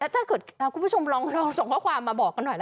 ถ้าเกิดคุณผู้ชมลองส่งข้อความมาบอกกันหน่อยนะ